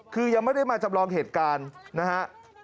คือยังไม่ได้มาจำลองเหตุการณ์นะฮะ